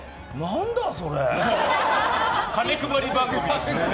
金配り番組ですから。